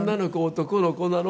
男の子なの？」